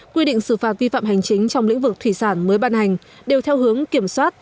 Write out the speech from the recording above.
quy định xử phạt vi phạm hành chính trong lĩnh vực thủy sản mới ban hành đều theo hướng kiểm soát